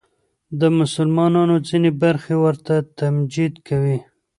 د مسلمانانو ځینې برخې ورته تمجید کوي